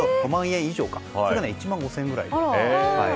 それが１万５０００円くらいで。